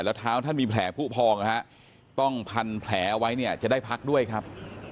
และท้อนาคตมีแผลผู้พองต้องพันแผลไว้เนี่ยจะได้พักด้วยครับ